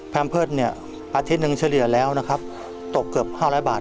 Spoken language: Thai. แพ็หมเพิศอาทิตย์นึงในเฉลี่ยนแล้วตกเกือบ๕๐๐บาท